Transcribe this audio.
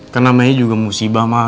karena mayanya juga musibah mah